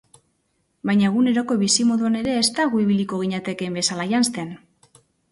Baina eguneroko bizimoduan ere ez da gu ibiliko ginatekeen bezala janzten.